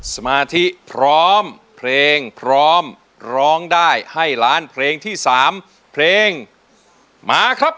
สมาธิพร้อมเพลงพร้อมร้องได้ให้ล้านเพลงที่๓เพลงมาครับ